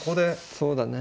そうだね。